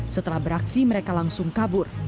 setelah beraksi mereka langsung kabur